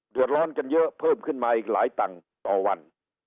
เดือดร้อนกันเยอะเพิ่มขึ้นมาอีกหลายตังค์ต่อวัน